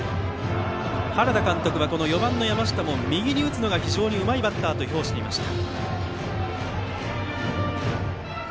原田監督は４番の山下も右に打つのが非常にうまいバッターと評していました。